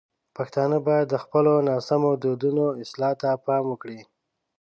پښتانه باید د خپلو ناسم دودونو اصلاح ته پام وکړي.